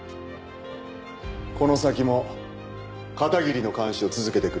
この先も片桐の監視を続けてくれ。